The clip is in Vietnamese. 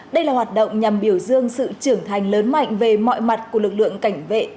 đây là hoạt động nhằm biểu dương sự trưởng thành lớn mạnh về mọi mặt của lực lượng cảnh vệ